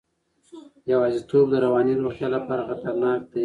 یوازیتوب د رواني روغتیا لپاره خطرناک دی.